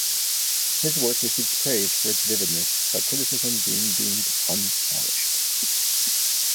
His work received praise for its vividness, but criticism, being deemed "unpolished".